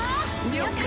了解！